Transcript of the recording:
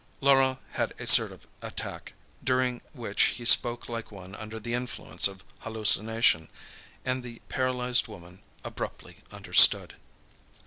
Laurent had a sort of attack, during which he spoke like one under the influence of hallucination, and the paralysed woman abruptly understood.